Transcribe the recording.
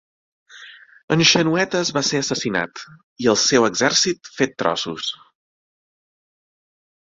En Xenoetas va ser assassinat, i el seu exèrcit fet trossos.